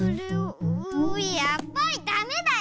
やっぱりだめだよ！